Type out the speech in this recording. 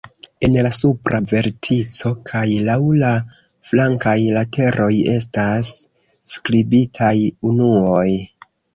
En la supra vertico kaj laŭ la flankaj lateroj estas skribitaj unuoj.